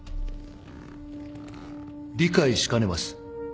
理解しかねます。